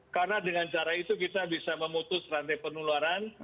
karena dengan cara itu kita bisa memutus rantai penularan